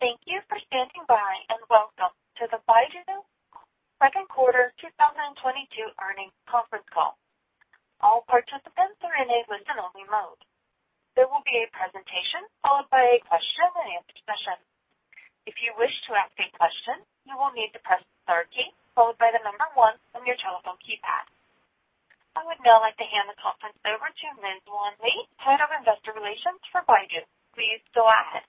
Thank you for standing by, and welcome to the Baidu second quarter 2022 Earnings Conference Call. All participants are in a listen-only mode. There will be a presentation, followed by a question-and-answer session. If you wish to ask a question, you will need to press star key followed by the number 1 on your telephone keypad. I would now like to hand the conference over to Juan Lin, Head of Investor Relations for Baidu. Please go ahead.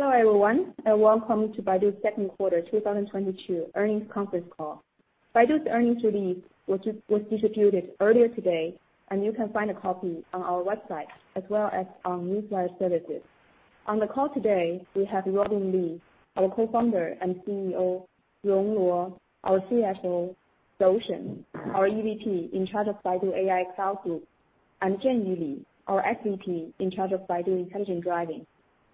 Hello, everyone, and welcome to Baidu's second quarter 2022 earnings conference call. Baidu's earnings release was distributed earlier today, and you can find a copy on our website as well as on newswire services. On the call today we have Robin Li, our Co-founder and CEO, Rong Luo, our CFO, Dou Shen, our EVP in charge of Baidu AI Cloud Group, and Zhenyu Li, our SVP in charge of Baidu Intelligent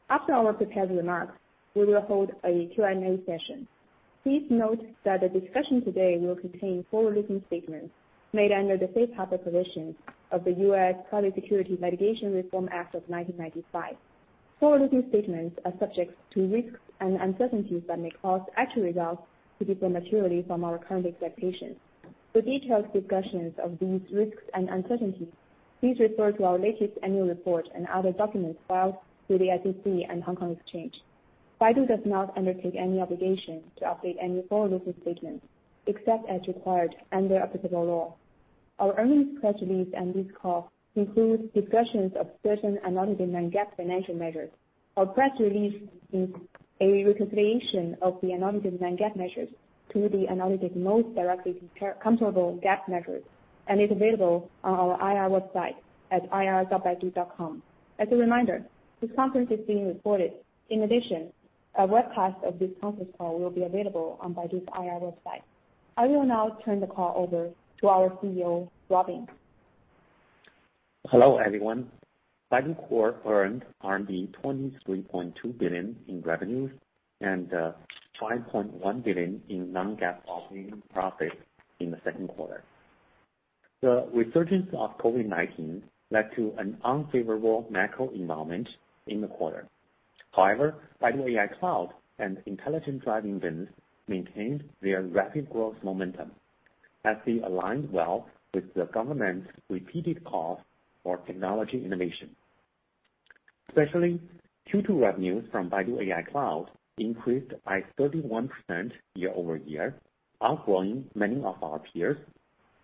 Driving. After our prepared remarks, we will hold a Q&A session. Please note that the discussion today will contain forward-looking statements made under the safe harbor provisions of the US Private Securities Litigation Reform Act of 1995. Forward-looking statements are subject to risks and uncertainties that may cause actual results to differ materially from our current expectations. For detailed discussions of these risks and uncertainties, please refer to our latest annual report and other documents filed through the SEC and Hong Kong Exchange. Baidu does not undertake any obligation to update any forward-looking statements except as required under applicable law. Our earnings press release and this call includes discussions of certain non-GAAP financial measures. Our press release includes a reconciliation of the non-GAAP measures to the most directly comparable GAAP measures and is available on our IR website at ir.baidu.com. As a reminder, this conference is being recorded. In addition, a webcast of this conference call will be available on Baidu's IR website. I will now turn the call over to our CEO, Robin Li. Hello, everyone. Baidu Core earned 23.2 billion in revenues and 5.1 billion in non-GAAP operating profit in the second quarter. The resurgence of COVID-19 led to an unfavorable macro environment in the quarter. However, Baidu AI Cloud and intelligent driving business maintained their rapid growth momentum as they aligned well with the government's repeated calls for technology innovation. Especially Q2 revenues from Baidu AI Cloud increased by 31% year-over-year, outgrowing many of our peers,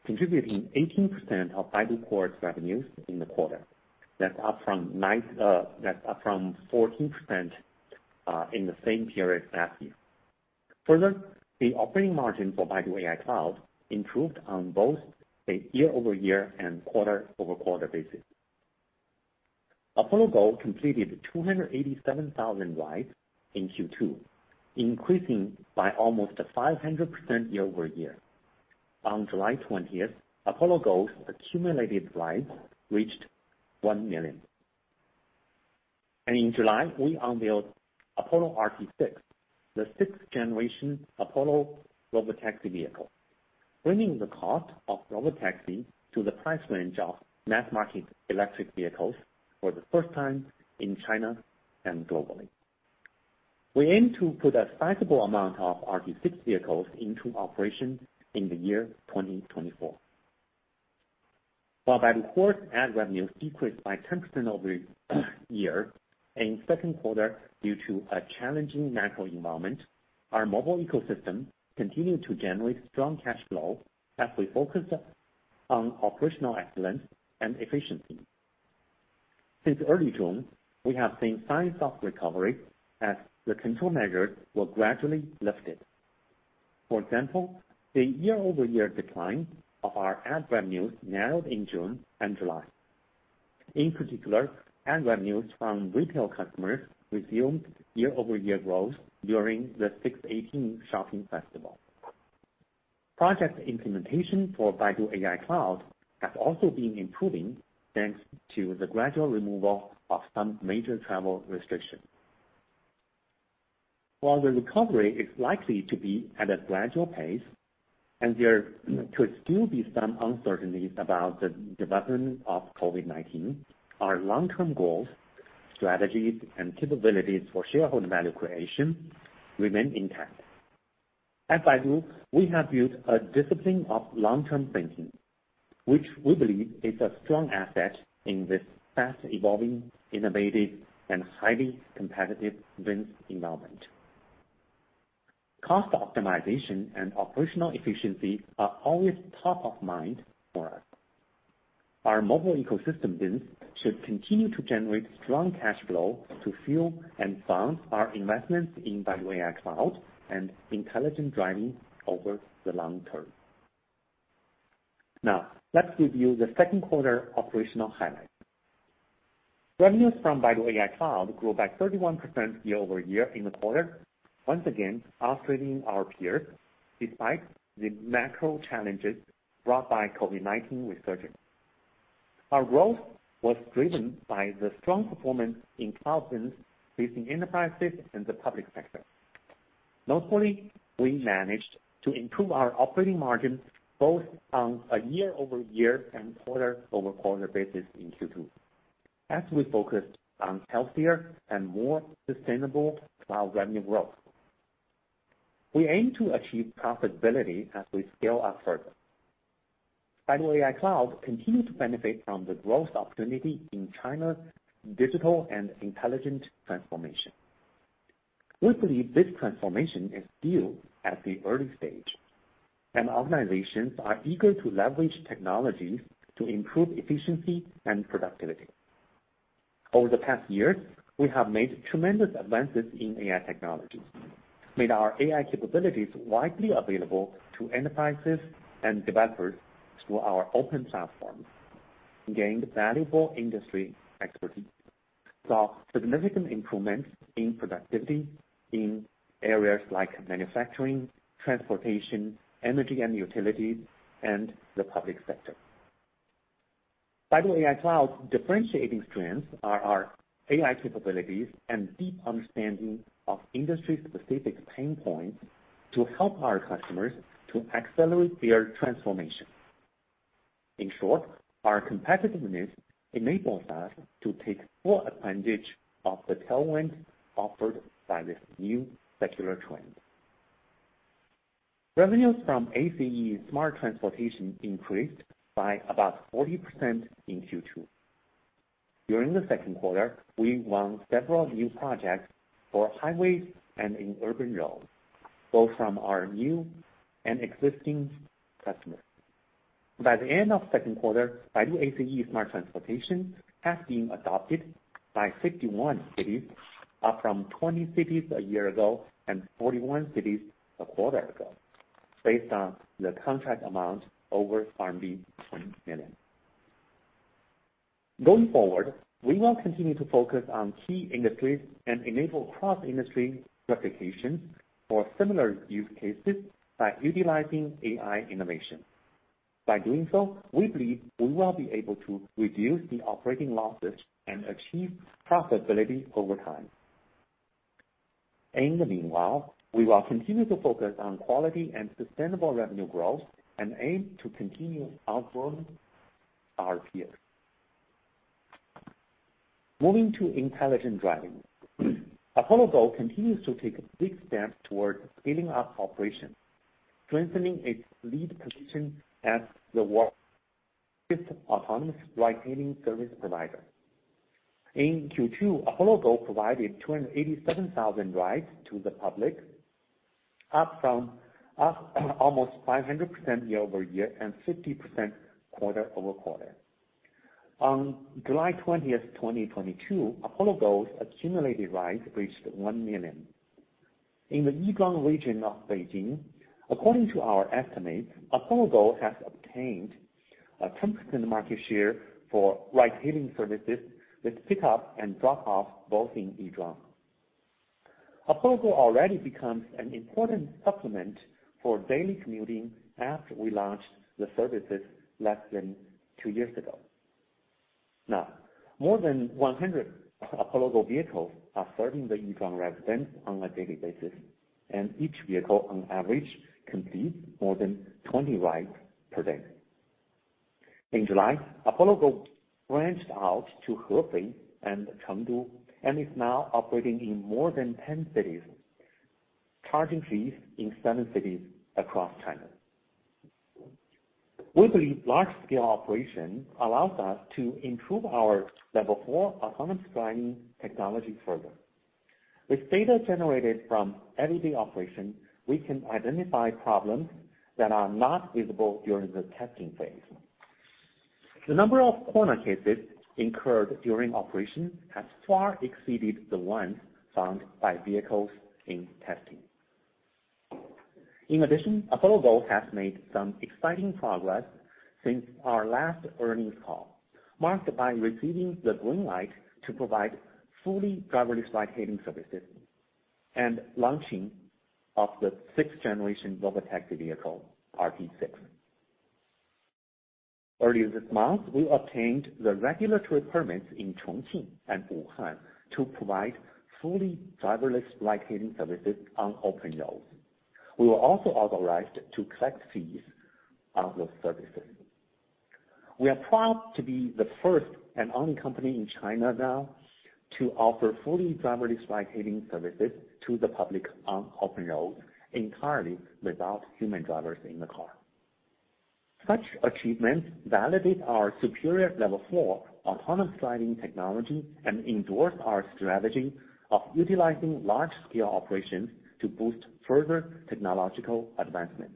contributing 18% of Baidu Core's revenues in the quarter. That's up from 14% in the same period last year. Further, the operating margin for Baidu AI Cloud improved on both a year-over-year and quarter-over-quarter basis. Apollo Go completed 287,000 rides in Q2, increasing by almost 500% year-over-year. On July twentieth, Apollo Go's accumulated rides reached 1 million. In July, we unveiled Apollo RT6, the sixth generation Apollo robotaxi vehicle, bringing the cost of robotaxi to the price range of mass-market electric vehicles for the first time in China and globally. We aim to put a sizable amount of RT6 vehicles into operation in 2024. While Baidu Core ad revenues decreased by 10% year-over-year in second quarter due to a challenging macro environment, our mobile ecosystem continued to generate strong cash flow as we focus on operational excellence and efficiency. Since early June, we have seen signs of recovery as the control measures were gradually lifted. For example, the year-over-year decline of our ad revenues narrowed in June and July. In particular, ad revenues from retail customers resumed year-over-year growth during the 618 shopping festival. Project implementation for Baidu AI Cloud has also been improving, thanks to the gradual removal of some major travel restrictions. While the recovery is likely to be at a gradual pace and there could still be some uncertainties about the development of COVID-19, our long-term goals, strategies, and capabilities for shareholder value creation remain intact. At Baidu, we have built a discipline of long-term thinking, which we believe is a strong asset in this fast-evolving, innovative, and highly competitive business environment. Cost optimization and operational efficiency are always top of mind for us. Our mobile ecosystem business should continue to generate strong cash flow to fuel and fund our investments in Baidu AI Cloud and intelligent driving over the long term. Now, let's give you the second quarter operational highlights. Revenues from Baidu AI Cloud grew by 31% year-over-year in the quarter, once again, outstripping our peers despite the macro challenges brought by COVID-19 resurgence. Our growth was driven by the strong performance in cloud business facing enterprises and the public sector. Notably, we managed to improve our operating margin both on a year-over-year and quarter-over-quarter basis in Q2 as we focused on healthier and more sustainable cloud revenue growth. We aim to achieve profitability as we scale up further. Baidu AI Cloud continues to benefit from the growth opportunity in China's digital and intelligent transformation. We believe this transformation is still at the early stage, and organizations are eager to leverage technologies to improve efficiency and productivity. Over the past years, we have made tremendous advances in AI technologies, made our AI capabilities widely available to enterprises and developers through our open platform, gained valuable industry expertise, saw significant improvements in productivity in areas like manufacturing, transportation, energy and utilities, and the public sector. Baidu AI Cloud differentiating strengths are our AI capabilities and deep understanding of industry-specific pain points to help our customers to accelerate their transformation. In short, our competitiveness enables us to take full advantage of the tailwind offered by this new secular trend. Revenues from ACE Smart Transportation increased by about 40% in Q2. During the second quarter, we won several new projects for highways and in urban roads, both from our new and existing customers. By the end of second quarter, Baidu ACE Smart Transportation has been adopted by 51 cities, up from 20 cities a year ago and 41 cities a quarter ago, based on the contract amount over 20 million. Going forward, we will continue to focus on key industries and enable cross-industry replication for similar use cases by utilizing AI innovation. By doing so, we believe we will be able to reduce the operating losses and achieve profitability over time. In the meanwhile, we will continue to focus on quality and sustainable revenue growth and aim to continue outgrowing our peers. Moving to intelligent driving. Apollo Go continues to take big steps towards scaling up operations, strengthening its lead position as the world's largest autonomous ride-hailing service provider. In Q2, Apollo Go provided 287,000 rides to the public, up almost 500% year-over-year and 50% quarter-over-quarter. On July 20, 2022, Apollo Go's accumulated rides reached 1 million. In the Yizhuang region of Beijing, according to our estimates, Apollo Go has obtained a 10% market share for ride-hailing services with pickup and drop-off both in Yizhuang. Apollo Go already becomes an important supplement for daily commuting after we launched the services less than two years ago. Now, more than 100 Apollo Go vehicles are serving the Yizhuang residents on a daily basis, and each vehicle on average completes more than 20 rides per day. In July, Apollo Go branched out to Hefei and Chengdu and is now operating in more than 10 cities, charging fees in 7 cities across China. We believe large-scale operation allows us to improve our level four autonomous driving technology further. With data generated from everyday operation, we can identify problems that are not visible during the testing phase. The number of corner cases incurred during operation has far exceeded the ones found by vehicles in testing. In addition, Apollo Go has made some exciting progress since our last earnings call, marked by receiving the green light to provide fully driverless ride-hailing services and launching of the sixth generation robotaxi vehicle, RT6. Earlier this month, we obtained the regulatory permits in Chongqing and Wuhan to provide fully driverless ride-hailing services on open roads. We were also authorized to collect fees of those services. We are proud to be the first and only company in China now to offer fully driverless ride-hailing services to the public on open roads entirely without human drivers in the car. Such achievements validate our superior level four autonomous driving technology and endorse our strategy of utilizing large-scale operations to boost further technological advancement.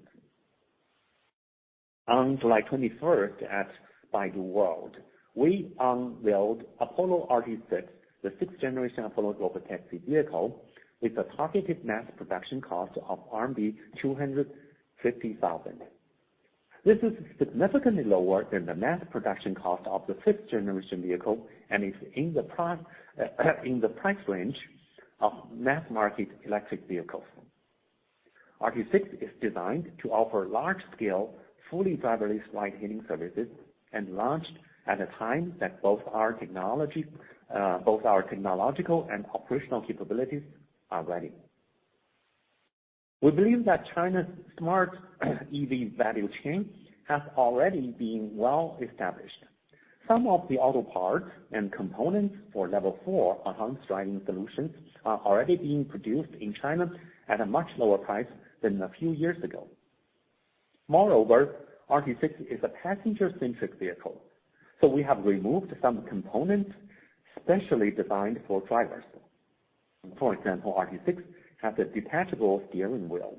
On July twenty-first at Baidu World, we unveiled Apollo RT6, the sixth generation Apollo robotaxi vehicle, with a targeted mass production cost of RMB 250,000. This is significantly lower than the mass production cost of the fifth generation vehicle and is in the price range of mass-market electric vehicles. RT6 is designed to offer large scale, fully driverless ride-hailing services and launched at a time that both our technological and operational capabilities are ready. We believe that China's smart EV value chain has already been well established. Some of the auto parts and components for level four autonomous driving solutions are already being produced in China at a much lower price than a few years ago. Moreover, RT6 is a passenger-centric vehicle, so we have removed some components specially designed for drivers. For example, RT6 has a detachable steering wheel,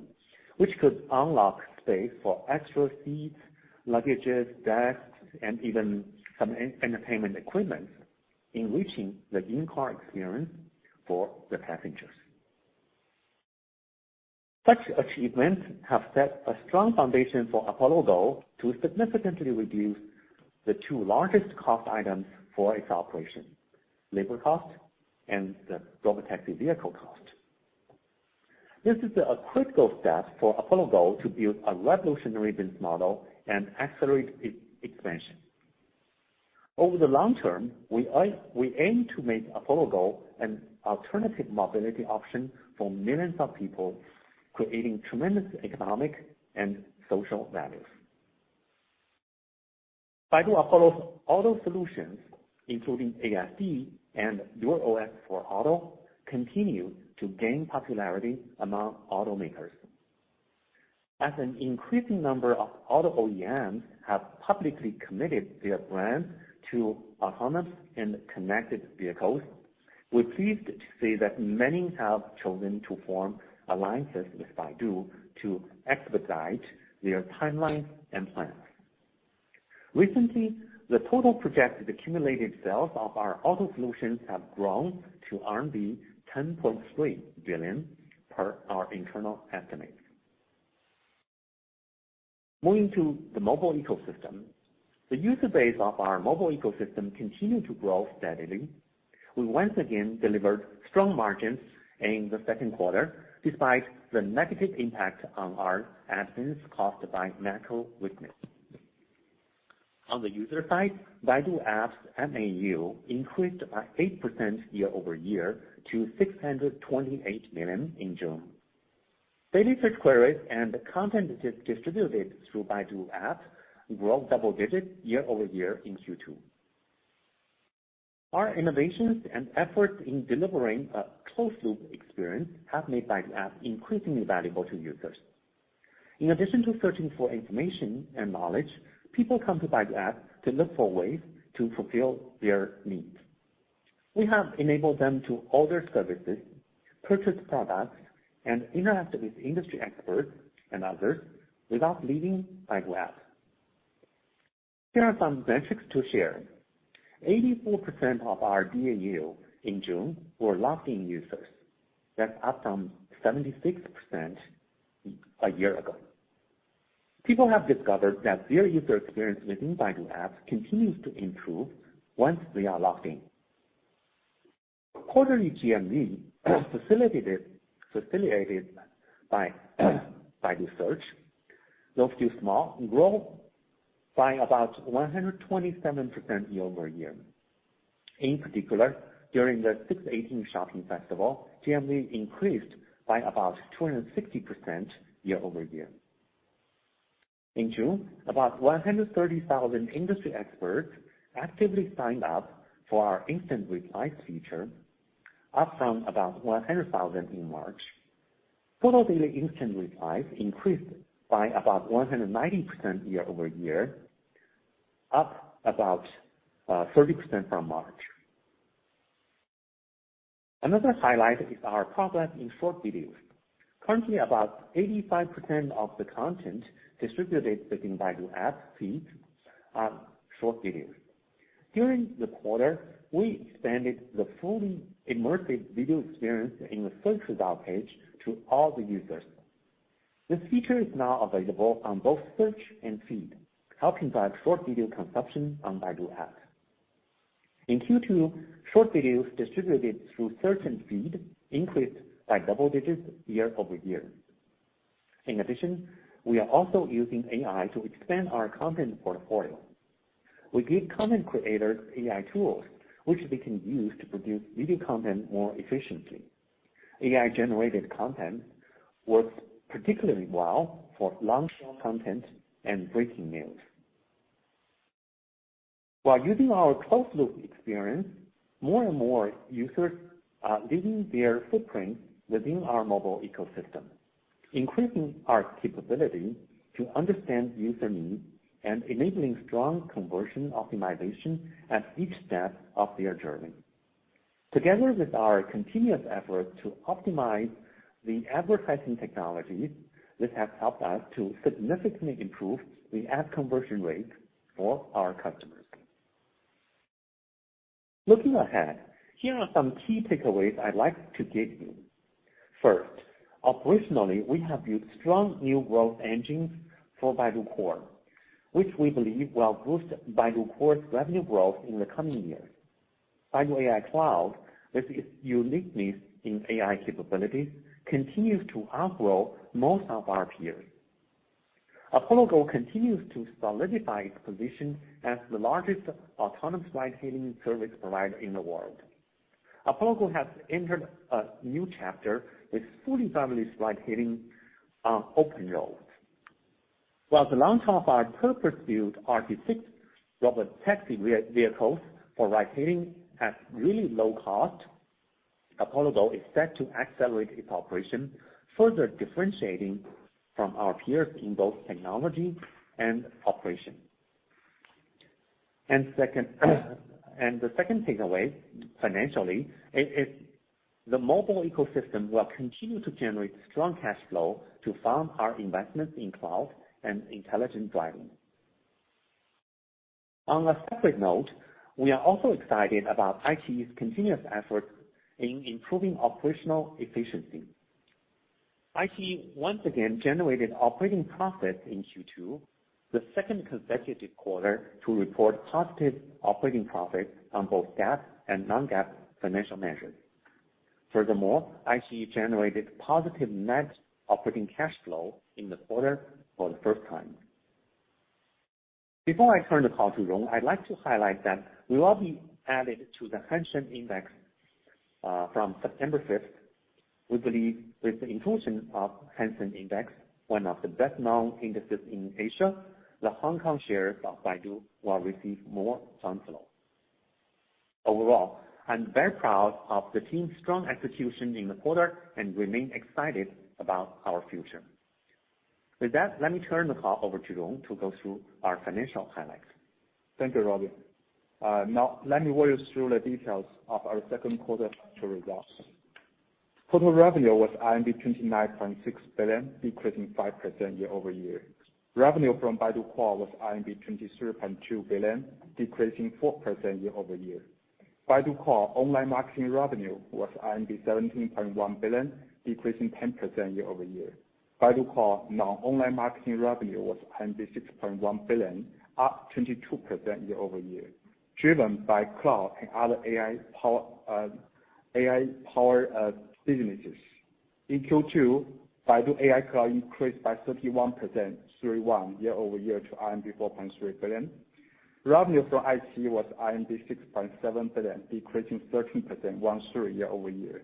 which could unlock space for extra seats, luggage, desks, and even some entertainment equipment, enriching the in-car experience for the passengers. Such achievements have set a strong foundation for Apollo Go to significantly reduce the two largest cost items for its operation, labor cost and the robotaxi vehicle cost. This is a critical step for Apollo Go to build a revolutionary business model and accelerate expansion. Over the long term, we aim to make Apollo Go an alternative mobility option for millions of people, creating tremendous economic and social values. Baidu Apollo's auto solutions, including ASD and DuerOS for Apollo, continue to gain popularity among automakers. As an increasing number of auto OEMs have publicly committed their brand to autonomous and connected vehicles, we're pleased to see that many have chosen to form alliances with Baidu to expedite their timelines and plans. Recently, the total projected cumulative sales of our auto solutions have grown to 10.3 billion per our internal estimates. Moving to the mobile ecosystem. The user base of our mobile ecosystem continued to grow steadily. We once again delivered strong margins in the second quarter despite the negative impact on our ad spend caused by macro weakness. On the user side, Baidu App MAU increased by 8% year-over-year to 628 million in June. Daily search queries and content distributed through Baidu App grew double digits year-over-year in Q2. Our innovations and efforts in delivering a closed loop experience have made Baidu App increasingly valuable to users. In addition to searching for information and knowledge, people come to Baidu App to look for ways to fulfill their needs. We have enabled them to order services, purchase products, and interact with industry experts and others without leaving Baidu App. Here are some metrics to share. 84% of our DAU in June were logged-in users. That's up from 76% a year ago. People have discovered that their user experience within Baidu App continues to improve once they are logged in. Quarterly GMV facilitated by Baidu search, not too small, grew by about 127% year-over-year. In particular, during the 618 shopping festival, GMV increased by about 260% year-over-year. In June, about 130,000 industry experts actively signed up for our Instant Replies feature, up from about 100,000 in March. Total daily Instant Replies increased by about 190% year-over-year, up about 30% from March. Another highlight is our progress in short videos. Currently, about 85% of the content distributed within Baidu App feed are short videos. During the quarter, we expanded the fully immersive video experience in the search result page to all the users. This feature is now available on both search and feed, helping drive short video consumption on Baidu App. In Q2, short videos distributed through search and feed increased by double digits year-over-year. In addition, we are also using AI to expand our content portfolio. We give content creators AI tools which they can use to produce video content more efficiently. AI-generated content works particularly well for long-form content and breaking news. While using our closed loop experience, more and more users are leaving their footprints within our mobile ecosystem, increasing our capability to understand user needs and enabling strong conversion optimization at each step of their journey. Together with our continuous effort to optimize the advertising technologies, this has helped us to significantly improve the ad conversion rate for our customers. Looking ahead, here are some key takeaways I'd like to give you. First, operationally, we have built strong new growth engines for Baidu Core, which we believe will boost Baidu Core's revenue growth in the coming years. Baidu AI Cloud with its uniqueness in AI capabilities continues to outgrow most of our peers. Apollo continues to solidify its position as the largest autonomous ride-hailing service provider in the world. Apollo has entered a new chapter with fully family ride-hailing on open roads. While the launch of our purpose-built RT6 robotaxi vehicles for ride-hailing at really low cost, Apollo is set to accelerate its operation, further differentiating from our peers in both technology and operation. Second, the second takeaway financially is the mobile ecosystem will continue to generate strong cash flow to fund our investments in cloud and intelligent driving. On a separate note, we are also excited about iQIYI's continuous effort in improving operational efficiency. iQIYI once again generated operating profit in Q2, the second consecutive quarter to report positive operating profit on both GAAP and non-GAAP financial measures. Furthermore, iQIYI generated positive net operating cash flow in the quarter for the first time. Before I turn the call to Rong, I'd like to highlight that we will be added to the Hang Seng Index from September fifth. We believe with the inclusion of Hang Seng Index, one of the best-known indices in Asia, the Hong Kong shares of Baidu will receive more fund flow. Overall, I'm very proud of the team's strong execution in the quarter and remain excited about our future. With that, let me turn the call over to Rong to go through our financial highlights. Thank you, Robin. Now let me walk you through the details of our second quarter financial results. Total revenue was 29.6 billion, decreasing 5% year-over-year. Revenue from Baidu Core was 23.2 billion, decreasing 4% year-over-year. Baidu Core online marketing revenue was 17.1 billion, decreasing 10% year-over-year. Baidu Core non-online marketing revenue was 6.1 billion, up 22% year-over-year, driven by cloud and other AI power businesses. In Q2, Baidu AI Cloud increased by 31% year-over-year to 4.3 billion. Revenue for iQIYI was 6.7 billion, decreasing 13% year-over-year.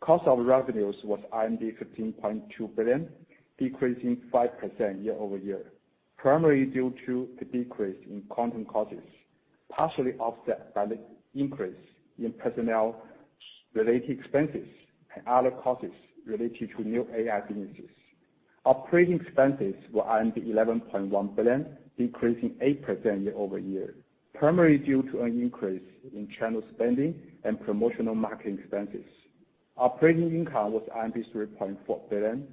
Cost of revenues was 15.2 billion, decreasing 5% year-over-year, primarily due to the decrease in content costs, partially offset by the increase in personnel related expenses and other costs related to new AI businesses. Operating expenses were 11.1 billion, decreasing 8% year-over-year, primarily due to an increase in channel spending and promotional marketing expenses. Operating income was 3.4 billion.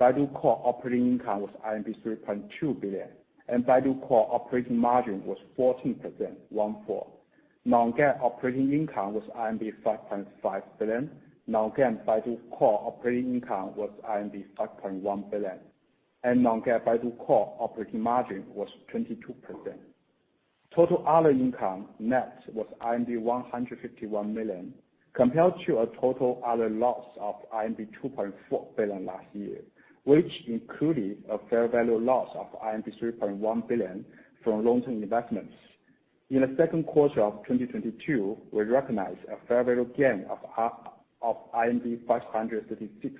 Baidu Core operating income was 3.2 billion, and Baidu Core operating margin was 14%. non-GAAP operating income was 5.5 billion. non-GAAP Baidu Core operating income was 5.1 billion, and non-GAAP Baidu Core operating margin was 22%. Total other income net was 151 million, compared to a total other loss of 2.4 billion last year, which included a fair value loss of 3.1 billion from long-term investments. In the second quarter of 2022, we recognized a fair value gain of 536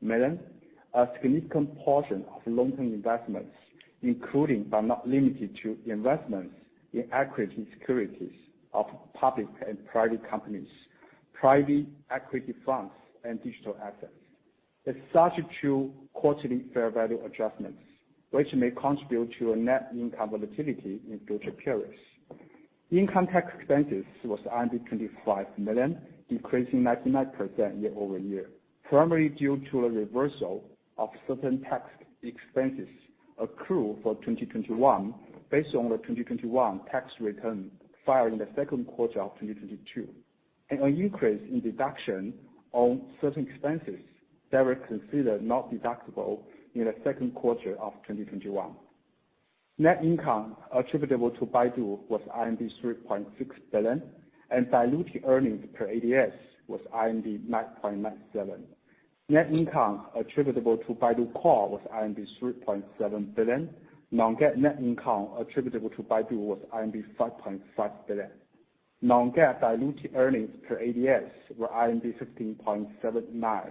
million, a significant portion of long-term investments, including but not limited to investments in equity securities of public and private companies, private equity funds and digital assets. As such two quarterly fair value adjustments, which may contribute to a net income volatility in future periods. Income tax expenses was 25 million, decreasing 99% year-over-year, primarily due to the reversal of certain tax expenses accrued for 2021 based on the 2021 tax return filed in the second quarter of 2022 and an increase in deduction on certain expenses that were considered not deductible in the second quarter of 2021. Net income attributable to Baidu was 3.6 billion, and diluted earnings per ADS was 9.97. Net income attributable to Baidu Core was 3.7 billion. Non-GAAP net income attributable to Baidu was 5.5 billion. Non-GAAP diluted earnings per ADS were 15.79.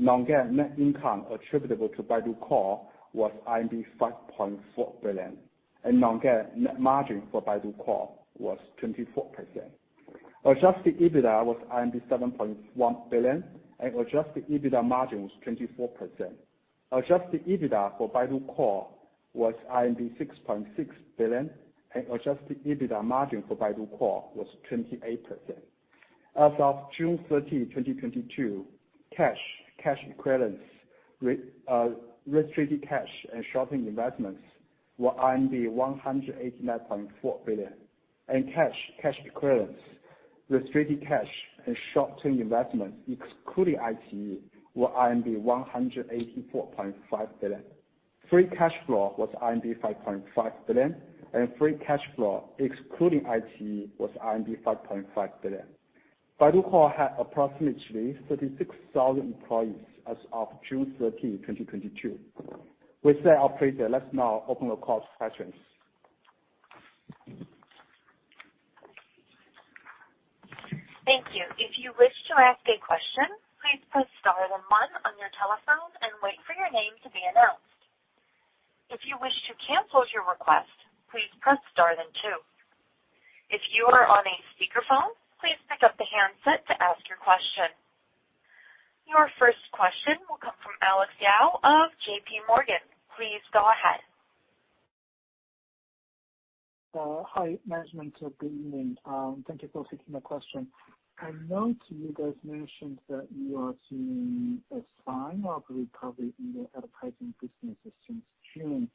Non-GAAP net income attributable to Baidu Core was 5.4 billion, and non-GAAP net margin for Baidu Core was 24%. Adjusted EBITDA was 7.1 billion, and Adjusted EBITDA margin was 24%. Adjusted EBITDA for Baidu Core was 6.6 billion, and Adjusted EBITDA margin for Baidu Core was 28%. As of June 13, 2022, cash equivalents, restricted cash and short-term investments were 189.4 billion. Cash, cash equivalents, restricted cash and short-term investments excluding iQIYI were 184.5 billion. Free cash flow was 5.5 billion, and free cash flow excluding IT was 5.5 billion. Baidu Core had approximately 36,000 employees as of June 13, 2022. With that update, let's now open the call for questions. Thank you. If you wish to ask a question, please press star then one on your telephone and wait for your name to be announced. If you wish to cancel your request, please press star then two. If you are on a speakerphone, please pick up the handset to ask your question. Your first question will come from Alex Yao of J.P. Morgan. Please go ahead. Hi, management. Good evening. Thank you for taking the question. I know that you guys mentioned that you are seeing a sign of recovery in the advertising businesses since June.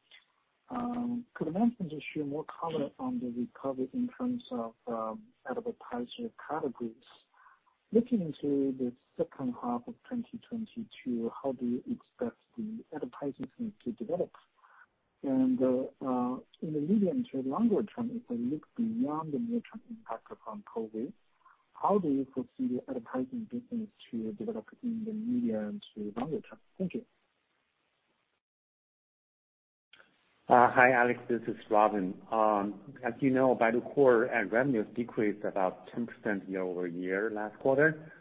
Could management just share more color on the recovery in terms of advertising categories? Looking into the second half of 2022, how do you expect the advertising to develop? In the medium to longer term, if I look beyond the near-term impact of COVID, how do you foresee the advertising business to develop in the medium to longer term? Thank you. Hi, Alex, this is Robin. As you know, Baidu Core ad revenues decreased about 10% year-over-year last quarter,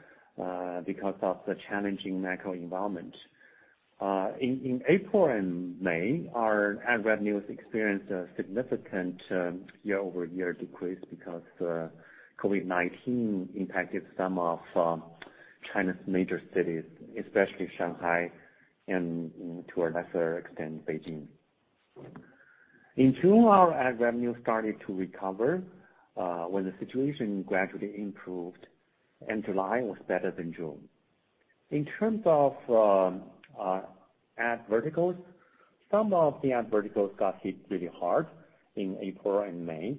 because of the challenging macro environment. In April and May, our ad revenues experienced a significant year-over-year decrease because COVID-19 impacted some of China's major cities, especially Shanghai and, to a lesser extent, Beijing. In June, our ad revenue started to recover when the situation gradually improved, and July was better than June. In terms of ad verticals, some of the ad verticals got hit really hard in April and May.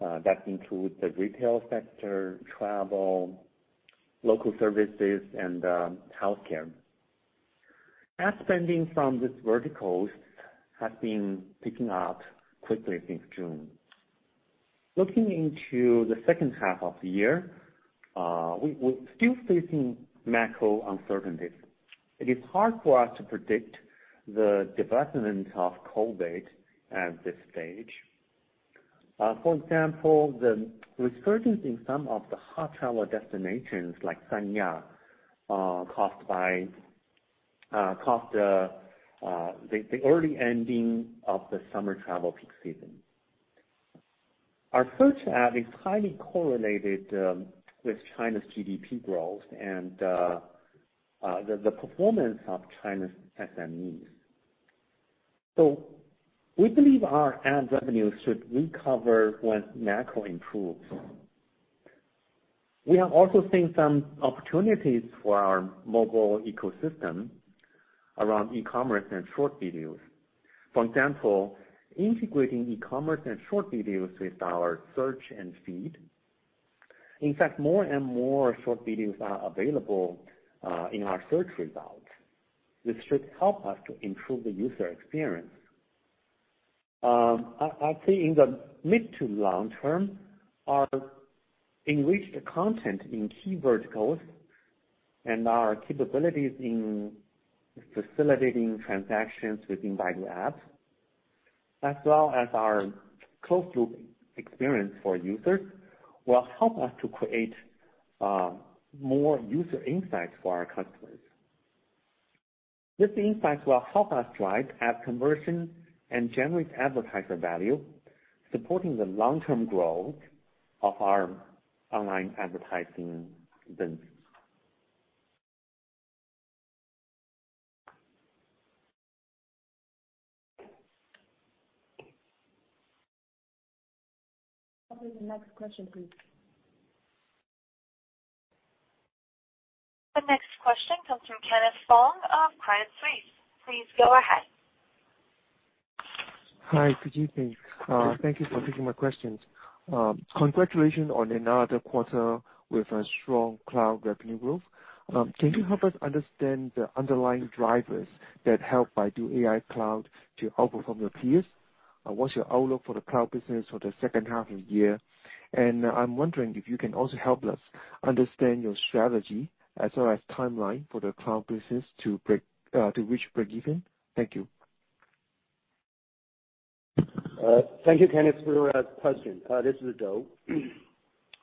That include the retail sector, travel, local services, and healthcare. Ad spending from these verticals has been picking up quickly since June. Looking into the second half of the year, we're still facing macro uncertainties. It is hard for us to predict the development of COVID at this stage. For example, the resurgence in some of the hot travel destinations like Sanya caused by the early ending of the summer travel peak season. Our search ad is highly correlated with China's GDP growth and the performance of China's SMEs. We believe our ad revenue should recover when macro improves. We have also seen some opportunities for our mobile ecosystem around e-commerce and short videos. For example, integrating e-commerce and short videos with our search and feed. In fact, more and more short videos are available in our search results, which should help us to improve the user experience. I think in the mid to long term, our enriched content in key verticals and our capabilities in facilitating transactions within Baidu apps, as well as our closed loop experience for users, will help us to create more user insights for our customers. These insights will help us drive ad conversion and generate advertiser value, supporting the long-term growth of our online advertising business. Operator, next question, please. The next question comes from Kenneth Fong of Credit Suisse. Please go ahead. Hi. Good evening. Thank you for taking my questions. Congratulations on another quarter with a strong cloud revenue growth. Can you help us understand the underlying drivers that help Baidu AI Cloud to outperform your peers? What's your outlook for the cloud business for the second half of the year? I'm wondering if you can also help us understand your strategy as well as timeline for the cloud business to reach breakeven. Thank you. Thank you, Kenneth, for your question. This is Dou.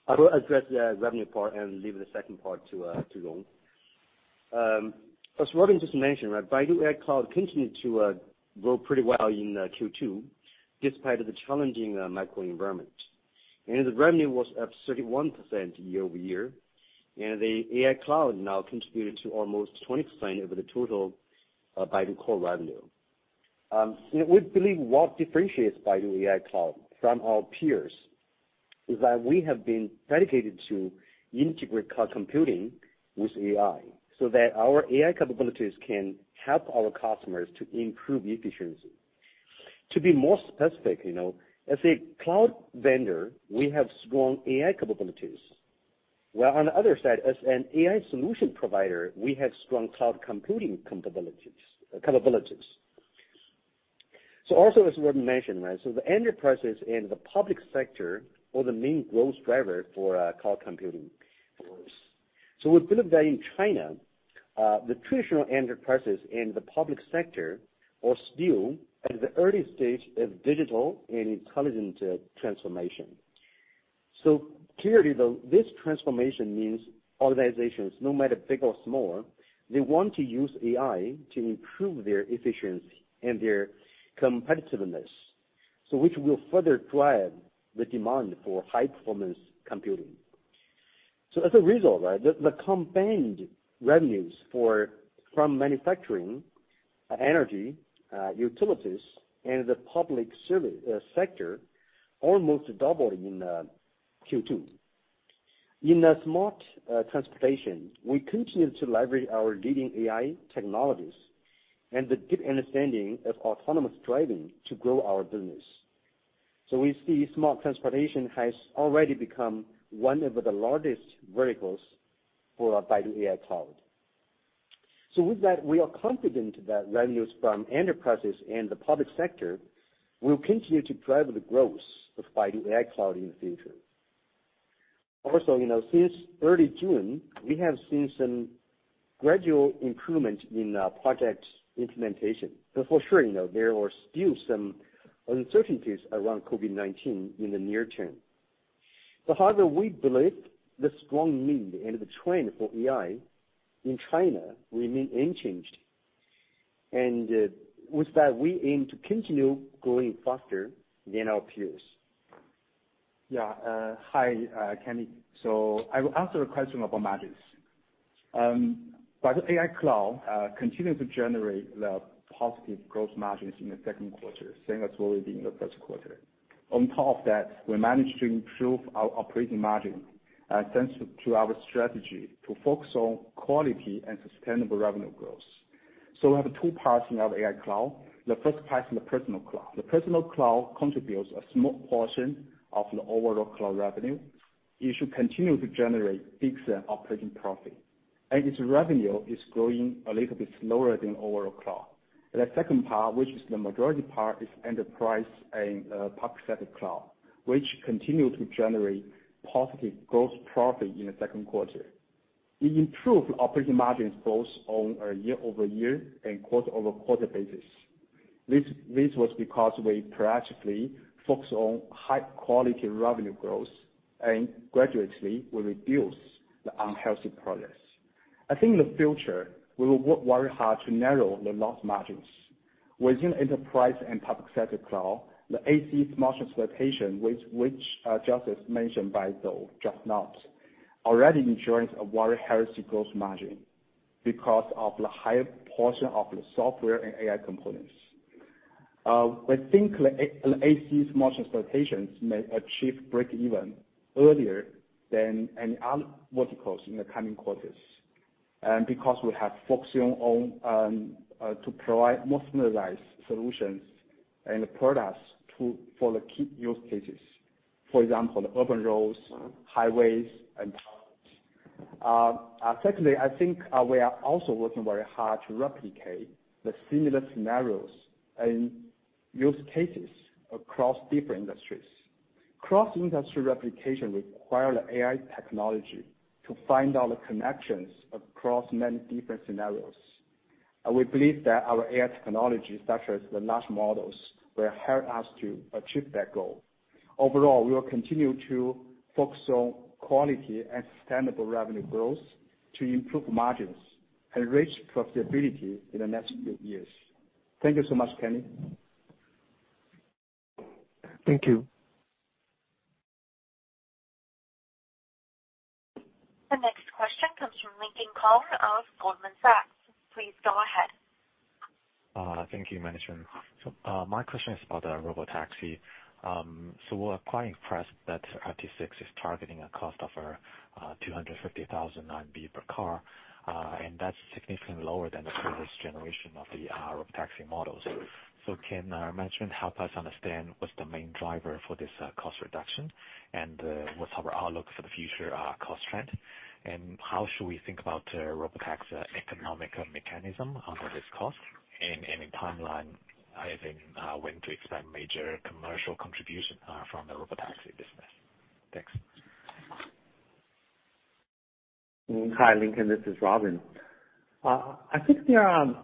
I will address the revenue part and leave the second part to Long. As Robin just mentioned, right, Baidu AI Cloud continued to grow pretty well in Q2, despite the challenging macro environment. The revenue was up 31% year-over-year, and the AI Cloud now contributed to almost 20% of the total Baidu Core revenue. We believe what differentiates Baidu AI Cloud from our peers is that we have been dedicated to integrate cloud computing with AI, so that our AI capabilities can help our customers to improve efficiency. To be more specific, you know, as a cloud vendor, we have strong AI capabilities, where on the other side, as an AI solution provider, we have strong cloud computing compatibilities, capabilities. Also as Robin mentioned, right, so the enterprises in the public sector are the main growth driver for cloud computing for us. With that in China, the traditional enterprises in the public sector are still at the early stage of digital and intelligent transformation. Clearly, though, this transformation means organizations, no matter big or small, they want to use AI to improve their efficiency and their competitiveness, so which will further drive the demand for high-performance computing. As a result, right, the combined revenues from manufacturing, energy, utilities, and the public sector almost doubled in Q2. In the smart transportation, we continue to leverage our leading AI technologies and the deep understanding of autonomous driving to grow our business. We see smart transportation has already become one of the largest verticals for our Baidu AI Cloud. With that, we are confident that revenues from enterprises and the public sector will continue to drive the growth of Baidu AI Cloud in the future. Also, you know, since early June, we have seen some gradual improvement in project implementation. For sure, you know, there are still some uncertainties around COVID-19 in the near term. However, we believe the strong need and the trend for AI in China remain unchanged, and with that, we aim to continue growing faster than our peers. Yeah. Hi, Kenny. I will answer the question about margins. Baidu AI Cloud continue to generate the positive gross margins in the second quarter, same as what was in the first quarter. On top of that, we managed to improve our operating margin, thanks to our strategy to focus on quality and sustainable revenue growth. We have two parts in our AI Cloud. The first part is the personal cloud. The personal cloud contributes a small portion of the overall cloud revenue. It should continue to generate decent operating profit, and its revenue is growing a little bit slower than overall cloud. The second part, which is the majority part, is enterprise and public sector cloud, which continue to generate positive gross profit in the second quarter. We improved operating margins both on a year-over-year and quarter-over-quarter basis. This was because we primarily focus on high quality revenue growth and gradually we reduce the unhealthy products. I think in the future, we will work very hard to narrow the loss margins. Within enterprise and public sector cloud, the ACE Smart Transportation, which Joseph mentioned just now, already ensures a very healthy growth margin because of the higher portion of the software and AI components. I think the ACE Smart Transportation may achieve break-even earlier than any other verticals in the coming quarters, because we have focused on to provide more standardized solutions and products to, for the key use cases. For example, the urban roads, highways, and towns. Secondly, I think we are also working very hard to replicate the similar scenarios and use cases across different industries. Cross-industry replication require the AI technology to find out the connections across many different scenarios. We believe that our AI technology, such as the large models, will help us to achieve that goal. Overall, we will continue to focus on quality and sustainable revenue growth to improve margins and reach profitability in the next few years. Thank you so much, Kenny. Thank you. The next question comes from Lincoln Kong of Goldman Sachs. Please go ahead. Thank you, management. My question is about the robotaxi. We're quite impressed that RT6 is targeting a cost of 250,000 RMB per car, and that's significantly lower than the previous generation of the taxi models. Can management help us understand what's the main driver for this cost reduction and what's the outlook for the future cost trend? How should we think about robotaxi economic mechanism under this cost? Any timeline, I think, when to expect major commercial contribution from the robotaxi business? Thanks. Hi, Lincoln Kong, this is Robin Li. I think there are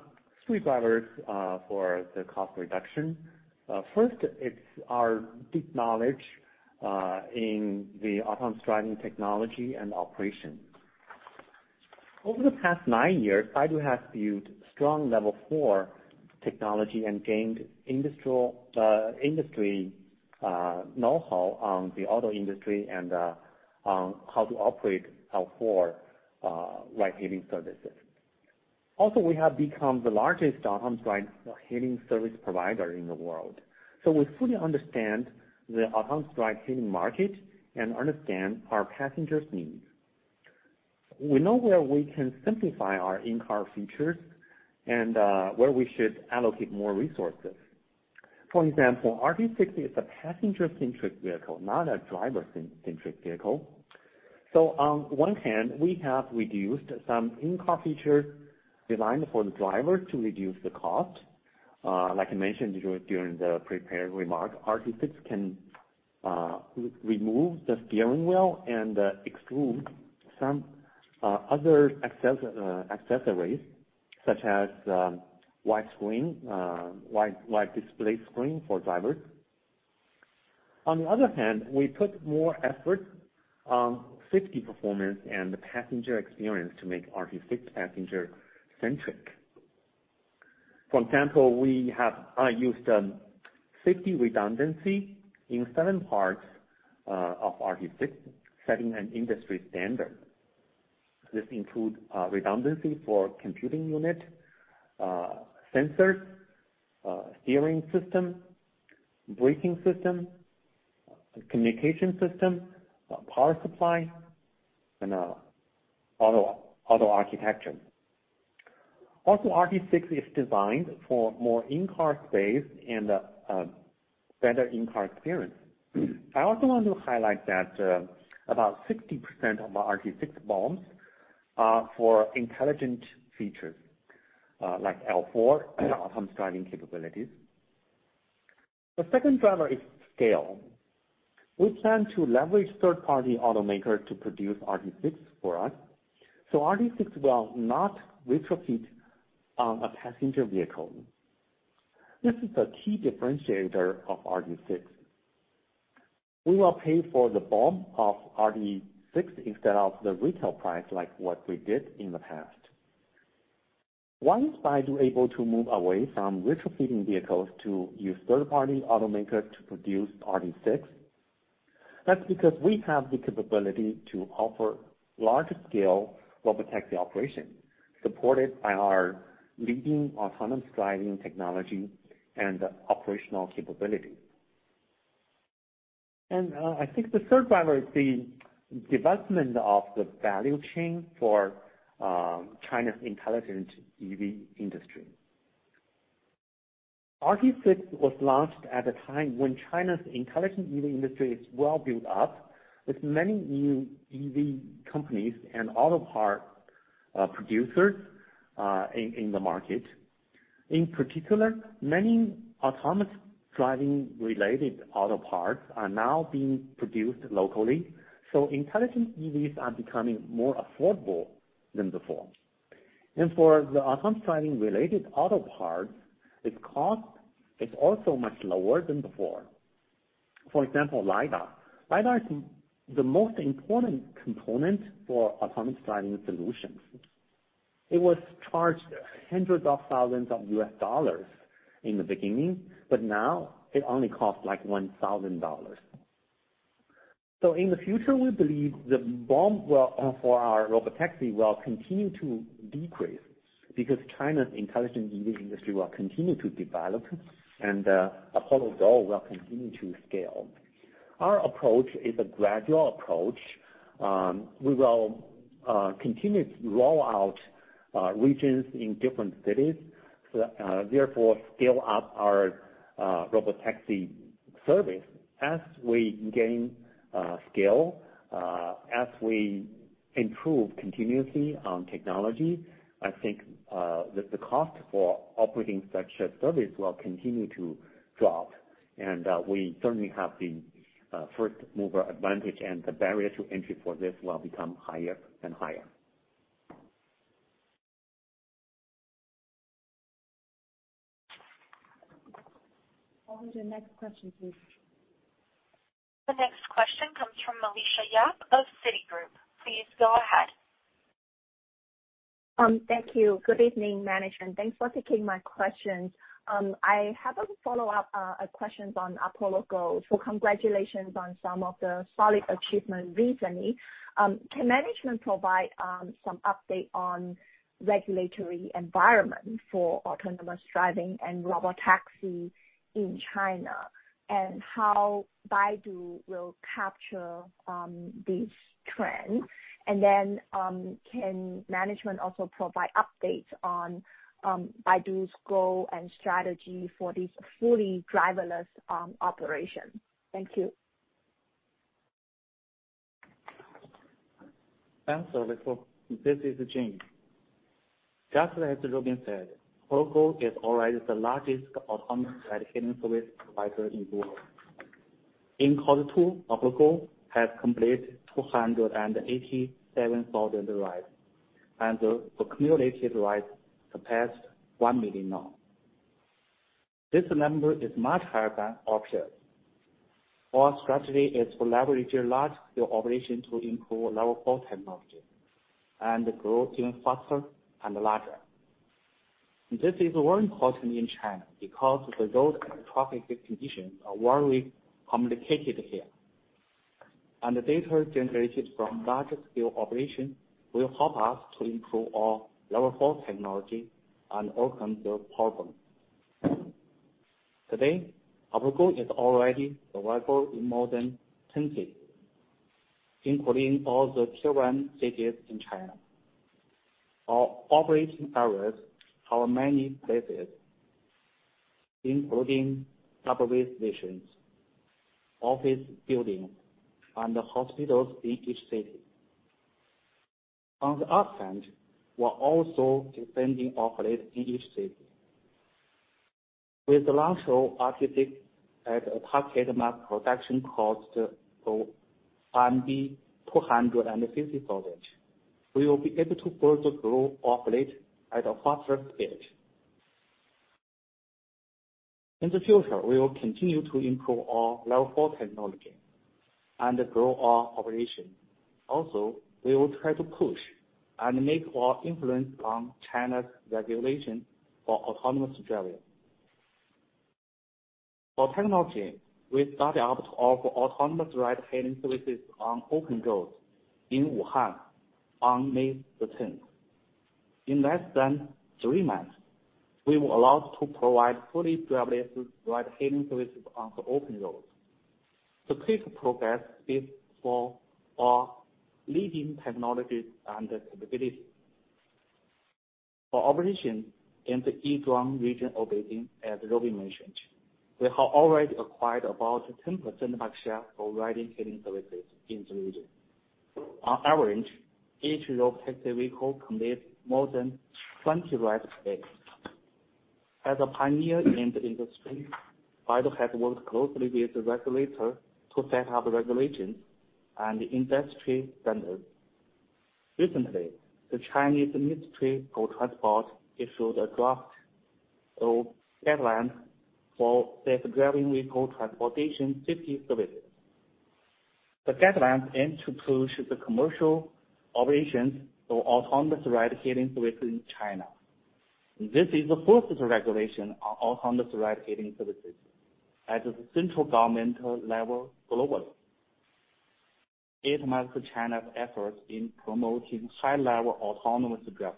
three drivers for the cost reduction. First, it's our deep knowledge in the autonomous driving technology and operations. Over the past nine years, Baidu has built strong level four technology and gained industry know-how on the auto industry and on how to operate our L4 ride-hailing services. Also, we have become the largest autonomous ride-hailing service provider in the world. We fully understand the autonomous ride-hailing market and understand our passengers' needs. We know where we can simplify our in-car features and where we should allocate more resources. For example, RT6 is a passenger-centric vehicle, not a driver-centric vehicle. On one hand, we have reduced some in-car features designed for the driver to reduce the cost. Like I mentioned during the prepared remarks, RT6 can remove the steering wheel and exclude some other accessories such as wide display screen for drivers. On the other hand, we put more effort on safety performance and the passenger experience to make RT6 passenger-centric. For example, we have used safety redundancy in seven parts of RT6, setting an industry standard. This includes redundancy for computing unit, sensors, steering system, braking system, communication system, power supply, and auto architecture. Also, RT6 is designed for more in-car space and better in-car experience. I also want to highlight that about 60% of RT6 BOM are for intelligent features like L4 autonomous driving capabilities. The second driver is scale. We plan to leverage third-party automakers to produce RT6 for us, so RT6 will not retrofit on a passenger vehicle. This is the key differentiator of RT6. We will pay for the BOM of RT6 instead of the retail price like what we did in the past. Why is Baidu able to move away from retrofitting vehicles to use third-party automakers to produce RT6? That's because we have the capability to offer large-scale robotaxi operation, supported by our leading autonomous driving technology and operational capability. I think the third driver is the development of the value chain for China's intelligent EV industry. RT6 was launched at a time when China's intelligent EV industry is well built up, with many new EV companies and auto part producers in the market. In particular, many autonomous driving related auto parts are now being produced locally, so intelligent EVs are becoming more affordable than before. For the autonomous driving related auto parts, its cost is also much lower than before. For example, LIDAR. LIDAR is the most important component for autonomous driving solutions. It was charged hundreds of thousands of dollars in the beginning, but now it only costs like $1,000. In the future, we believe the BOM will for our robotaxi will continue to decrease because China's intelligent EV industry will continue to develop and Apollo Go will continue to scale. Our approach is a gradual approach. We will continue to roll out regions in different cities, therefore scale up our robotaxi service. As we gain scale, as we improve continuously on technology, I think the cost for operating such a service will continue to drop. We certainly have the first-mover advantage and the barrier to entry for this will become higher and higher. On to the next question, please. The next question comes from Alicia Yap of Citigroup. Please go ahead. Thank you. Good evening, management. Thanks for taking my questions. I have a follow-up questions on Apollo Go. Congratulations on some of the solid achievement recently. Can management provide some update on regulatory environment for autonomous driving and robotaxi in China, and how Baidu will capture these trends? Can management also provide updates on Baidu's goal and strategy for this fully driverless operation? Thank you. Thanks a lot. This is Juan. Just like Robin Li said, Apollo Go is already the largest autonomous dedicated service provider in the world. In quarter two, Apollo Go has completed 287,000 rides, and the cumulative rides surpassed 1,000,000 now. This number is much higher than our peers. Our strategy is to leverage a large scale operation to improve our level four technology and grow even faster and larger. This is very important in China because the road and traffic conditions are very complicated here. The data generated from large scale operation will help us to improve our level four technology and overcome those problems. Today, Apollo is already available in more than 10 cities, including all the Tier 1 cities in China. Our operating areas have many places, including subway stations, office buildings, and hospitals in each city. On the operations front, we're also expanding operations in each city. With the launch of RT6 at a target mass production cost of 250,000, we will be able to further grow operations at a faster speed. In the future, we will continue to improve our Level four technology and grow our operation. Also, we will try to push and make our influence on China's regulation for autonomous driving. For technology, we started out to offer autonomous ride-hailing services on open roads in Wuhan on May 10. In less than three months, we were allowed to provide fully driverless ride-hailing services on the open roads. The quick progress is for our leading technologies and capabilities. For operation in the Yizhuang region of Beijing, as Robin mentioned, we have already acquired about 10% market share for ride-hailing services in the region. On average, each robotaxi vehicle completes more than 20 rides a day. As a pioneer in the industry, Baidu has worked closely with the regulator to set up regulations and industry standards. Recently, the Chinese Ministry of Transport issued a draft of guidelines for self-driving vehicle transportation safety services. The guidelines aim to push the commercial operations for autonomous ride-hailing services in China. This is the first regulation on autonomous ride-hailing services at the central governmental level globally. It marks China's efforts in promoting high-level autonomous driving.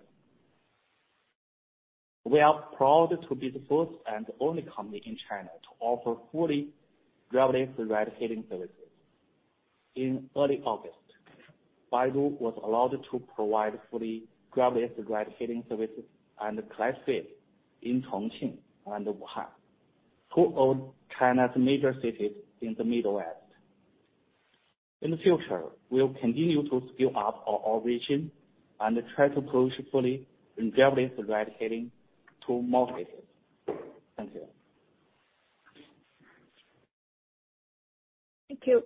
We are proud to be the first and only company in China to offer fully driverless ride-hailing services. In early August, Baidu was allowed to provide fully driverless ride-hailing services and Class five in Chongqing and Wuhan, two of China's major cities in the Middle West. In the future, we will continue to scale up our operation and try to push fully in driverless ride-hailing to more cities. Thank you. Thank you.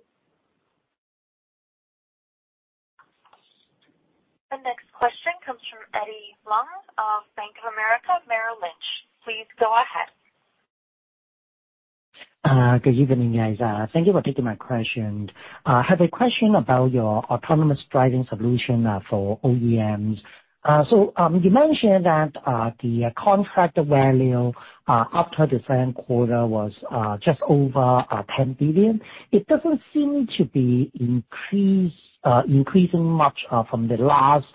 The next question comes from Eddie Leung of Bank of America Merrill Lynch. Please go ahead. Good evening, guys. Thank you for taking my question. I have a question about your autonomous driving solution for OEMs. So, you mentioned that the contract value after the second quarter was just over 10 billion. It doesn't seem to be increasing much from the last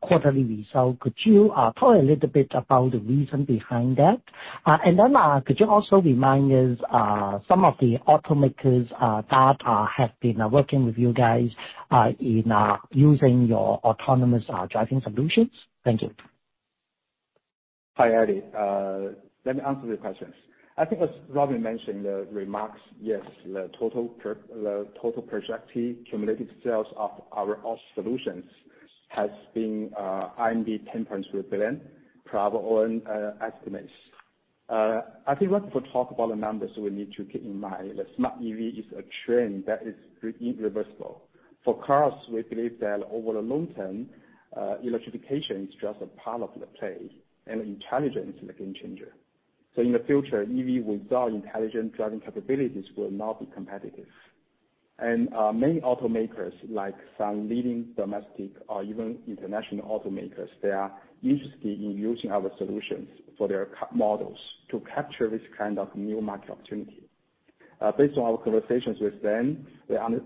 quarterly result. Could you talk a little bit about the reason behind that? Could you also remind us some of the automakers that have been working with you guys in using your autonomous driving solutions? Thank you. Hi, Eddie. Let me answer your questions. I think as Robin mentioned the remarks, yes, the total projected cumulative sales of our auto solutions has been 10.2 billion, our own estimates. I think when people talk about the numbers, we need to keep in mind that smart EV is a trend that is irreversible. For cars, we believe that over the long term, electrification is just a part of the play, and intelligence is a game changer. In the future, EV without intelligent driving capabilities will not be competitive. Many automakers, like some leading domestic or even international automakers, they are interested in using our solutions for their models to capture this kind of new market opportunity. Based on our conversations with them,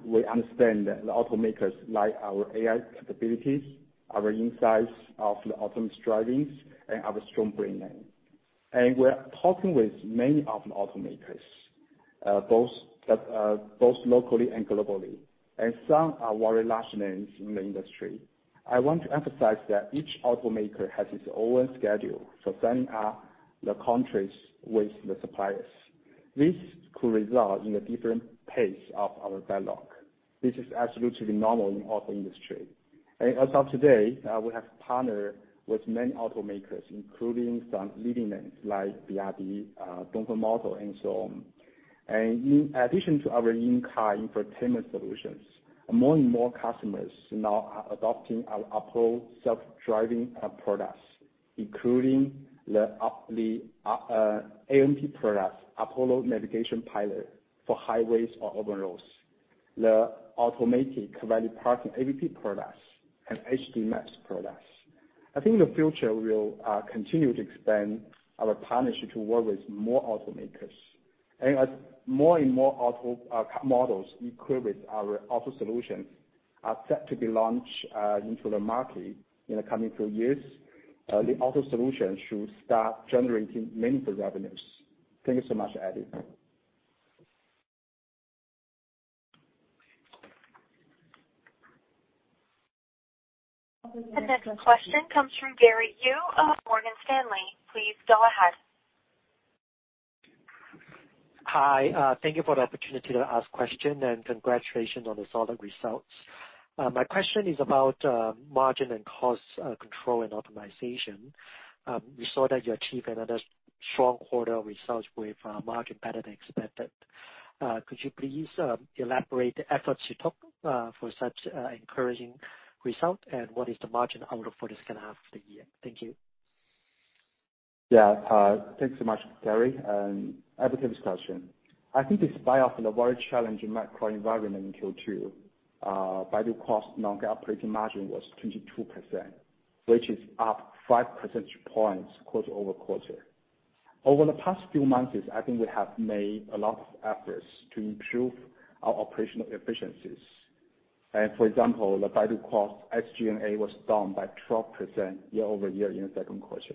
we understand that the automakers like our AI capabilities, our insights of the autonomous drivings, and our strong brand name. We're talking with many of the automakers, both locally and globally, and some are very large names in the industry. I want to emphasize that each automaker has its own schedule for signing up the contracts with the suppliers. This could result in a different pace of our dialogue. This is absolutely normal in auto industry. As of today, we have partnered with many automakers, including some leading names like BYD, Dongfeng Motor, and so on. In addition to our in-car infotainment solutions, more and more customers now are adopting our Apollo Self-Driving products, including the ANP products, Apollo Navigation Pilot for highways or urban roads, the Apollo Valet Parking AVP products, and HD map products. I think in the future, we will continue to expand our partnership to work with more automakers. As more and more auto models equipped with our auto solutions are set to be launched into the market in the coming few years, the auto solutions should start generating meaningful revenues. Thank you so much, Eddie. The next question comes from Gary Yu of Morgan Stanley. Please go ahead. Hi, thank you for the opportunity to ask question, and congratulations on the solid results. My question is about margin and cost control and optimization. We saw that you achieved another strong quarter results with margin better than expected. Could you please elaborate the efforts you took for such encouraging result? And what is the margin outlook for the second half of the year? Thank you. Yeah. Thanks so much, Gary, and I appreciate this question. I think despite of the very challenging macro environment in Q2, Baidu Core non-GAAP operating margin was 22%, which is up five percentage points quarter-over-quarter. Over the past few months, I think we have made a lot of efforts to improve our operational efficiencies. For example, the Baidu Core SG&A was down by 12% year-over-year in the second quarter.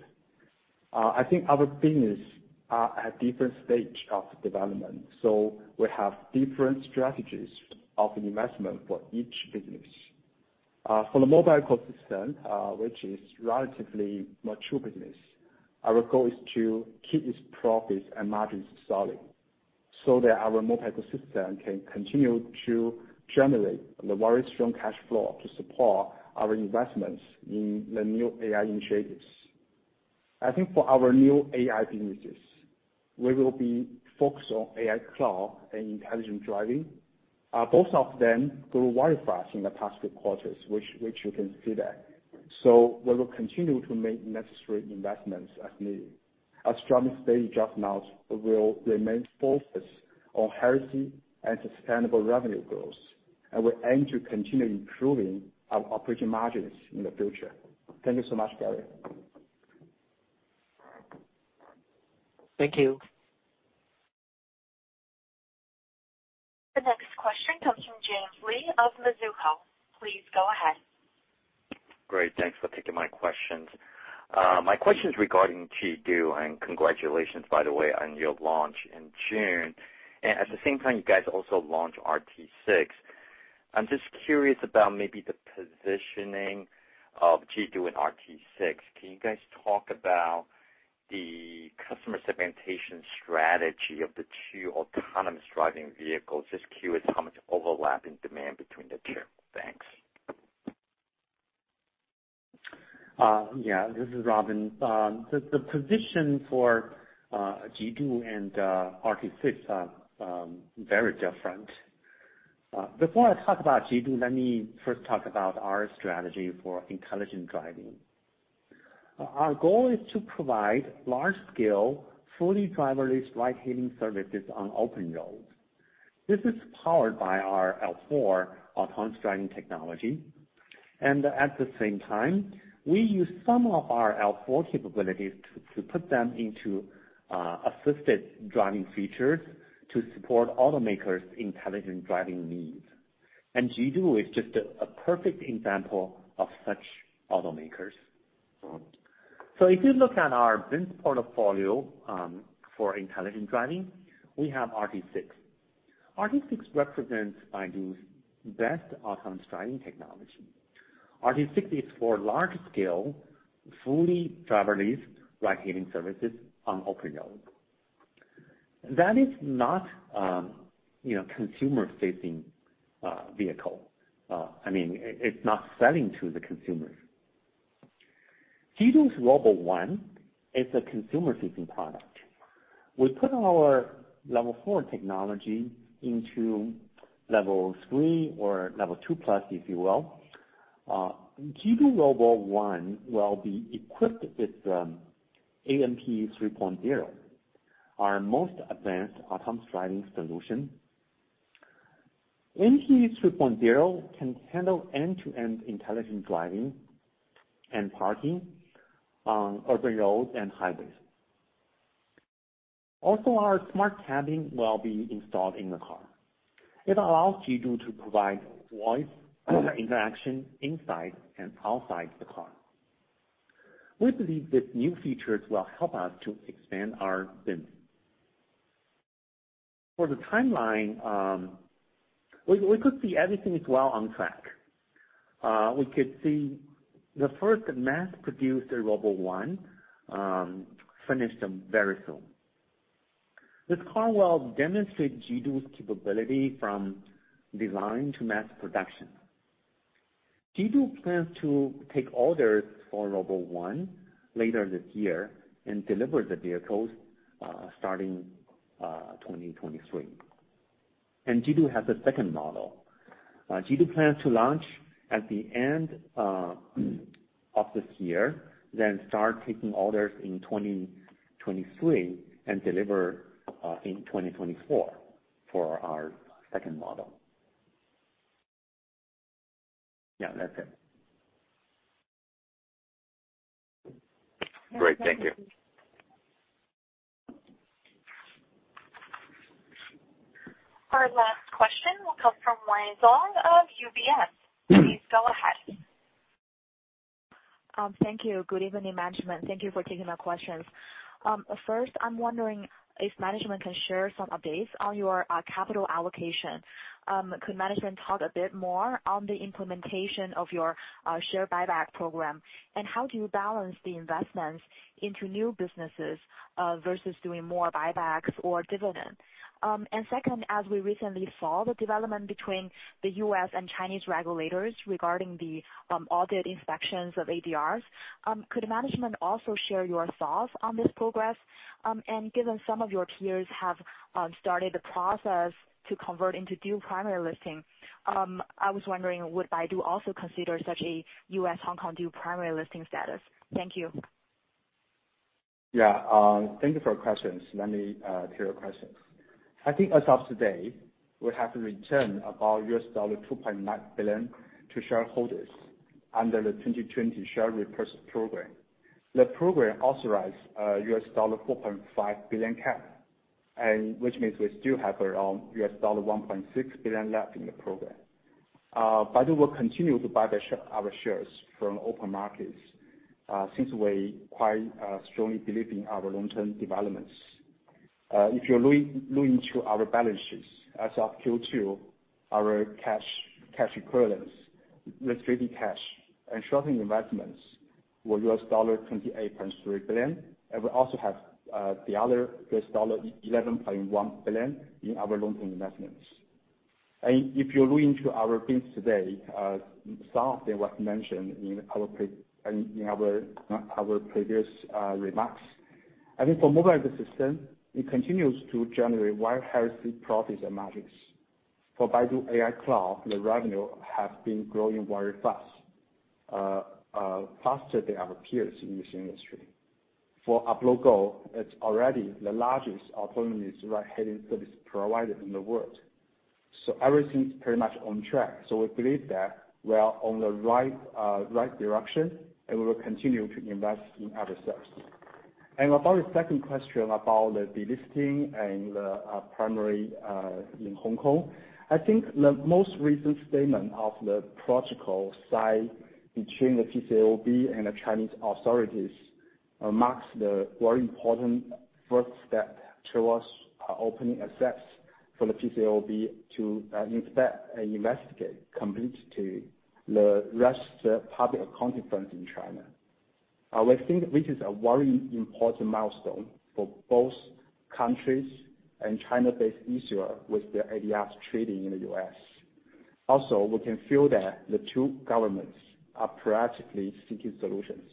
I think our business are at different stage of development, so we have different strategies of investment for each business. For the mobile ecosystem, which is relatively mature business, our goal is to keep its profits and margins solid so that our mobile ecosystem can continue to generate the very strong cash flow to support our investments in the new AI initiatives. I think for our new AI businesses, we will be focused on AI cloud and intelligent driving. Both of them grew very fast in the past few quarters, which you can see that. We will continue to make necessary investments as needed. As Robin stated just now, we will remain focused on healthy and sustainable revenue growth, and we aim to continue improving our operating margins in the future. Thank you so much, Gary. Thank you. The next question comes from James Lee of Mizuho. Please go ahead. Great. Thanks for taking my questions. My question's regarding Jidu, and congratulations, by the way, on your launch in June. At the same time, you guys also launched RT6. I'm just curious about maybe the positioning of Jidu and RT6. Can you guys talk about the customer segmentation strategy of the two autonomous driving vehicles? Just curious how much overlap in demand between the two? Thanks. Yeah. This is Robin. The position for Jidu and RT6 are very different. Before I talk about Jidu, let me first talk about our strategy for intelligent driving. Our goal is to provide large scale, fully driverless ride-hailing services on open roads. This is powered by our L4 autonomous driving technology. At the same time, we use some of our L4 capabilities to put them into assisted driving features to support automakers' intelligent driving needs. Jidu is just a perfect example of such automakers. If you look at our business portfolio for intelligent driving, we have RT6. RT6 represents Baidu's best autonomous driving technology. RT6 is for large scale, fully driverless ride-hailing services on open roads. That is not, you know, consumer-facing vehicle. I mean, it's not selling to the consumers. Jidu's RoboOne is a consumer-facing product. We put our level four technology into level three or level two plus, if you will. Jidu RoboOne will be equipped with ANP 3.0, our most advanced autonomous driving solution. ANP 3.0 can handle end-to-end intelligent driving and parking on urban roads and highways. Also, our Smart Cabin will be installed in the car. It allows Jidu to provide voice interaction inside and outside the car. We believe these new features will help us to expand our business. For the timeline, we could see everything is well on track. We could see the first mass-produced RoboOne finished very soon. This car will demonstrate Jidu's capability from design to mass production. Jidu plans to take orders for RoboOne later this year and deliver the vehicles starting 2023. Jidu has a second model. Jidu plans to launch at the end of this year, then start taking orders in 2023 and deliver in 2024 for our second model. Yeah, that's it. Great. Thank you. Our last question will come from Wei Xiong of UBS. Please go ahead. Thank you. Good evening, management. Thank you for taking my questions. First, I'm wondering if management can share some updates on your capital allocation. Could management talk a bit more on the implementation of your share buyback program and how do you balance the investments into new businesses versus doing more buybacks or dividends? Second, as we recently saw the development between the U.S. and Chinese regulators regarding the audit inspections of ADRs, could management also share your thoughts on this progress? Given some of your peers have started the process to convert into dual primary listing, I was wondering, would Baidu also consider such a U.S. Hong Kong dual primary listing status? Thank you. Yeah, thank you for your questions. Let me clear your questions. I think as of today, we have returned about $2.9 billion to shareholders under the 2020 share repurchase program. The program authorized $4.5 billion cap, and which means we still have around $1.6 billion left in the program. Baidu will continue to buy our shares from open markets, since we quite strongly believe in our long-term developments. If you look into our balance sheets, as of Q2, our cash and cash equivalents and short-term investments were $28.3 billion. We also have the other $11.1 billion in our long-term investments. If you look into our business today, some of them was mentioned in our previous remarks. I think for mobile ecosystem, it continues to generate very healthy profits and margins. For Baidu AI Cloud, the revenue has been growing very fast, faster than our peers in this industry. For Apollo Go, it's already the largest autonomous ride-hailing service provider in the world. Everything's pretty much on track. We believe that we are on the right direction, and we will continue to invest in ourselves. About the second question about the delisting and the primary in Hong Kong. I think the most recent statement of the protocol signed between the PCAOB and the Chinese authorities marks the very important first step towards opening access for the PCAOB to inspect and investigate completely the registered public accounting firms in China. We think this is a very important milestone for both countries and China-based issuers with their ADRs trading in the US. Also, we can feel that the two governments are proactively seeking solutions.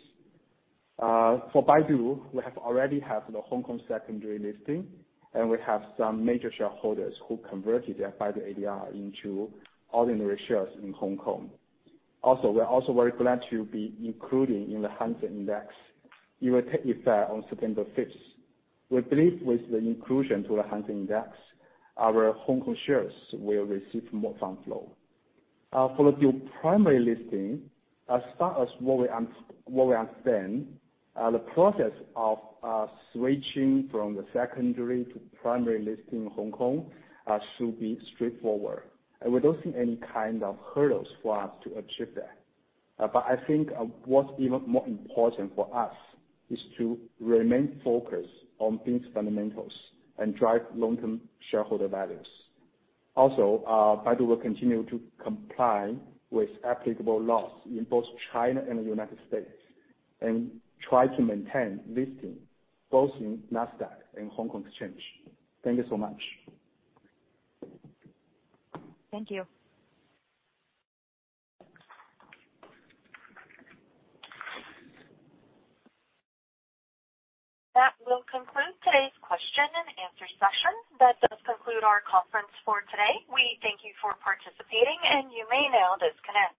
For Baidu, we have already the Hong Kong secondary listing, and we have some major shareholders who converted their Baidu ADR into ordinary shares in Hong Kong. Also, we're also very glad to be included in the Hang Seng Index. It will take effect on September fifth. We believe with the inclusion to the Hang Seng Index, our Hong Kong shares will receive more fund flow. For the dual primary listing, as far as what we understand, the process of switching from the secondary to primary listing in Hong Kong should be straightforward. We don't see any kind of hurdles for us to achieve that. I think what's even more important for us is to remain focused on business fundamentals and drive long-term shareholder values. Also, Baidu will continue to comply with applicable laws in both China and the United States and try to maintain listing both in Nasdaq and Hong Kong Exchange. Thank you so much. Thank you. That will conclude today's question and answer session. That does conclude our conference for today. We thank you for participating, and you may now disconnect.